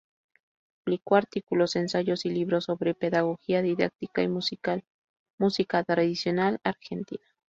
Publicó artículos, ensayos y libros sobre pedagogía, didáctica musical y música tradicional argentina.